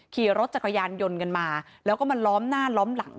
ขี่รถจักรยานยนต์กันมาแล้วก็มาล้อมหน้าล้อมหลัง